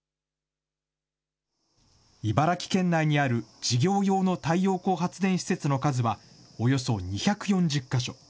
茨城県内にある事業用の太陽光発電施設の数は、およそ２４０か所。